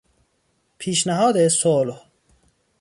پیشنهاد صلح